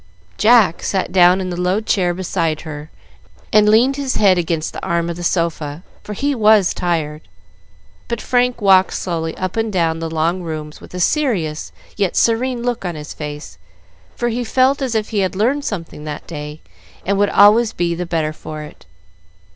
Jack sat down in the low chair beside her and leaned his head against the arm of the sofa, for he was tired. But Frank walked slowly up and down the long rooms with a serious yet serene look on his face, for he felt as if he had learned something that day, and would always be the better for it.